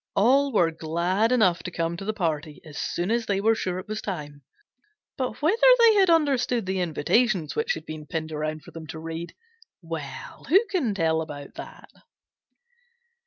All were glad enough to come to the party as soon as they were sure it was time, but whether they had understood the invitations which had been pinned around for them to read well, who can tell about that?